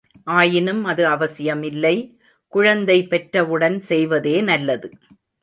ஆயினும் அது அவசியமில்லை, குழந்தை பெற்றவுடன் செய்வதே நல்லது.